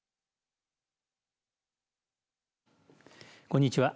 こんにちは。